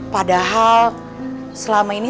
padahal selama ini